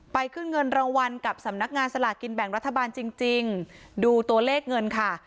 ขึ้นเงินรางวัลกับสำนักงานสลากินแบ่งรัฐบาลจริงจริงดูตัวเลขเงินค่ะ